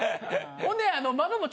ほんで。